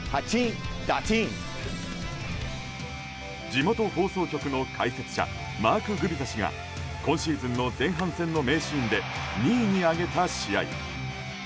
地元放送局の解説者マーク・グビザ氏が今シーズンの前半戦の名シーンで２位に挙げた試合。